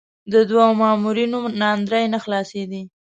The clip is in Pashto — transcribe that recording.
د دوو مامورینو ناندرۍ نه خلاصېدې.